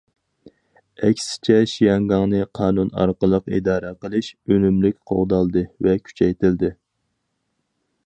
ئەكسىچە، شياڭگاڭنى قانۇن ئارقىلىق ئىدارە قىلىش ئۈنۈملۈك قوغدالدى ۋە كۈچەيتىلدى.